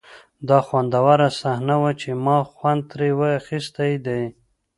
دا خوندوره صحنه وه چې ما خوند ترې اخیستی دی